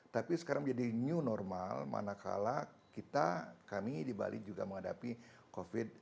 tapi sekarang menjadi new normal manakala kita kami di bali juga menghadapi covid sembilan belas